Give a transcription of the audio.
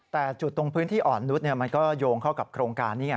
แต่จุดตรงพื้นที่อ่อนนุษย์มันก็โยงเข้ากับโครงการนี้ไง